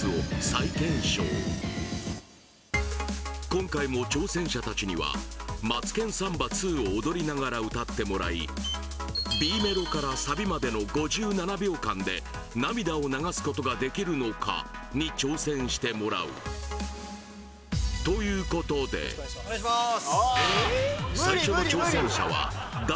今回も挑戦者達には「マツケンサンバⅡ」を踊りながら歌ってもらいＢメロからサビまでの５７秒間で涙を流すことができるのか？に挑戦してもらうということでお願いします